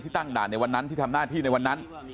ตั้งด่านในวันนั้นที่ทำหน้าที่ในวันนั้น